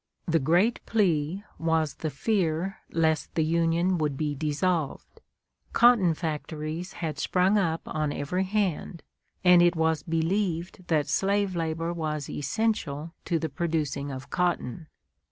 The great plea was the fear lest the Union would be dissolved. Cotton factories had sprung up on every hand, and it was believed that slave labor was essential to the producing of cotton.